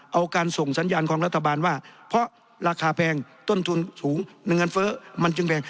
เอาการส่งสัญญาณของรัฐบาลว่าเพราะราคาแพงต้นทุนสูงเงินเฟ้อมันจึงแพง